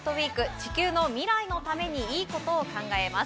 地球の未来のためにいいことを考えます。